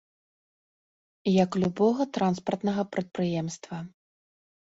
Як любога транспартнага прадпрыемства.